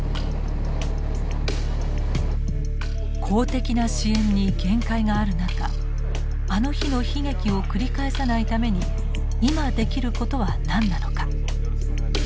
公的な支援に限界がある中あの日の悲劇を繰り返さないために今できることは何なのか。